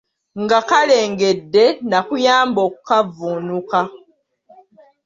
Ng’akalengedde n’akuyamba okukavvuunuka.